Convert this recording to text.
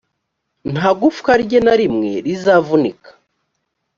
nta gufwa rye na rimwe rizavunika